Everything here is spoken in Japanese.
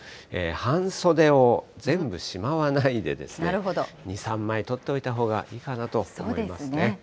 半袖を全部しまわないでですね、２、３枚とっておいたほうがいいかなと思いますね。